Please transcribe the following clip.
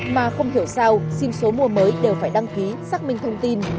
mà không hiểu sao xin số mua mới đều phải đăng ký xác minh thông tin